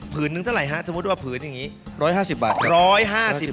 พื้นหนึ่งเท่าไรบ้าง